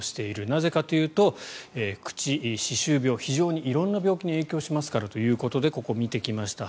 なぜかというと口、歯周病非常に色んな病気に影響しますからということでここを見てきました。